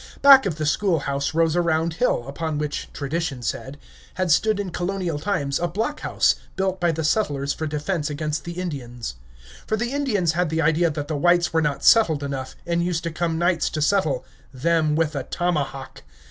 Back of the schoolhouse rose a round hill, upon which, tradition said, had stood in colonial times a block house, built by the settlers for defense against the Indians. For the Indians had the idea that the whites were not settled enough, and used to come nights to settle them with a tomahawk.